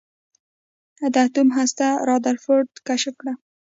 د اتوم هسته رادرفورډ کشف کړه.